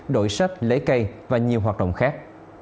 đổi sách lấy cây và nhiều hoạt động khác